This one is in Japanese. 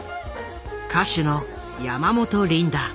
歌手の山本リンダ。